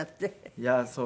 いやそう。